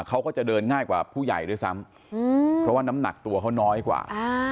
เขาก็จะเดินง่ายกว่าผู้ใหญ่ด้วยซ้ำเพราะว่าน้ำหนักตัวเขาน้อยกว่า